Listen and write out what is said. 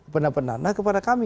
pendapat nanda kepada kami